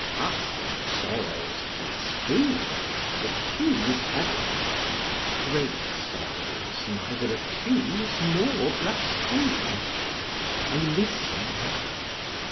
Passing sorrows blaspheme and accuse Heaven; great sorrows neither accuse nor blaspheme, they listen.